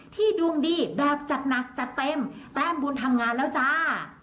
ดวงดีแบบจัดหนักจัดเต็มแต้มบุญทำงานแล้วจ้า